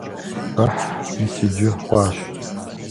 Ыхьы, мис иджы хъуащ!